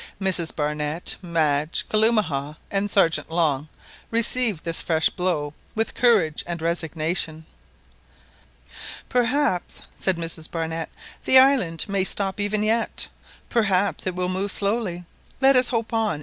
Mrs Barnett, Madge, Kalumah, and Sergeant Long received this fresh blow with courage and resignation. "Perhaps," said Mrs Barnett, "the island may stop even yet. Perhaps it will move slowly. Let us hope on ...